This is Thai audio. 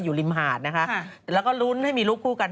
อยู่ริมหาดนะคะแล้วก็ลุ้นให้มีลูกคู่กัน